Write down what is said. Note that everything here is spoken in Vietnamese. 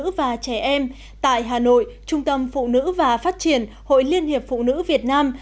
phụ nữ và trẻ em tại hà nội trung tâm phụ nữ và phát triển hội liên hiệp phụ nữ việt nam